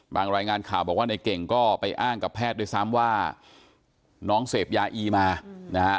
รายงานข่าวบอกว่าในเก่งก็ไปอ้างกับแพทย์ด้วยซ้ำว่าน้องเสพยาอีมานะฮะ